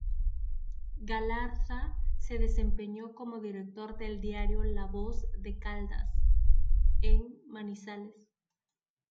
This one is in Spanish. Galarza se desempeñó como director del diario "La Voz de Caldas", en Manizales.